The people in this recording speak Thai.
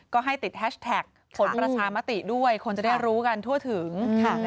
ก็ให้ติดแฮชแท็กผลประชามติด้วยคนจะได้รู้กันทั่วถึง